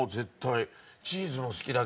チーズも好きだけど。